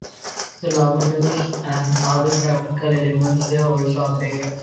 The lower-thirds and other graphical elements were also updated.